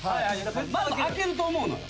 まず開けると思うのよ。